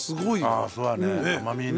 ああそうだね。